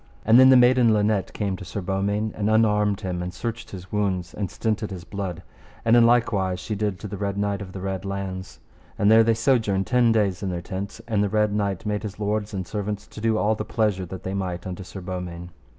And then the maiden Linet came to Sir Beaumains, and unarmed him and searched his wounds, and stinted his blood, and in likewise she did to the Red Knight of the Red Launds. And there they sojourned ten days in their tents; and the Red Knight made his lords and servants to do all the pleasure that they might unto Sir Beaumains.